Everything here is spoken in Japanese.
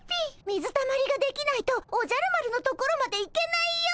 水たまりができないとおじゃる丸のところまで行けないよ。